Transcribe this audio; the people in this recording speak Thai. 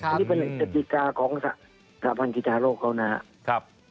อันนี้เป็นกติกาของสถาบันกีฬาโลกเขานะครับ